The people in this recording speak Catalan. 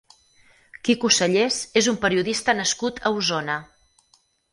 Quico Sallés és un periodista nascut a Osona.